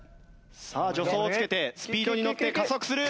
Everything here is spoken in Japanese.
さあ助走をつけてスピードにのって加速する。